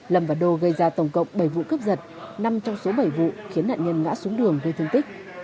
lâm và đô gây ra tổng cộng bảy vụ cướp giật năm trong số bảy vụ khiến nạn nhân ngã xuống đường gây thương tích